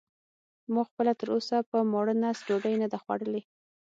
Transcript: ما خپله تراوسه په ماړه نس ډوډۍ نه ده خوړلې.